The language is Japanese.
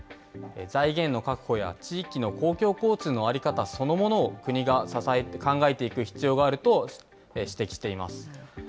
財源の確保や、地域の公共交通の在り方そのものを国が支えて考えていく必要があると指摘しています。